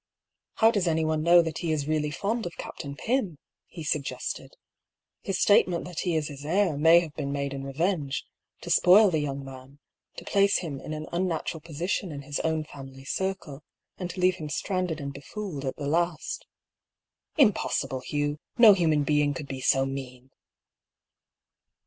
" How does anyone know that he is really fond of Captain Pym ?" he suggested. " His statement that he is his heir may have been made in revenge, to spoil the young man, to place him in an unnatural position in his own family circle, and to leave him stranded and be fooled at the last." 88 DR. PAULL'S THEORY. *' Impossible, Hugh ! No human being could be so mean